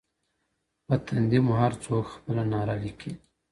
په تندې مو هر څوک خپله ناره لیکي